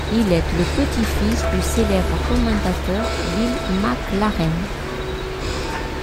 Il est le petit-fils du célèbre commentateur Bill McLaren.